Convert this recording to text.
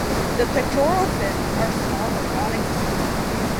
The pectoral fins are small or nonexistent.